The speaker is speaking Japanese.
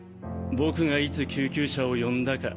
僕がいつ救急車を呼んだか。